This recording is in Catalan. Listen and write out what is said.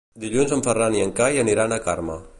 Dilluns en Ferran i en Cai aniran a Carme.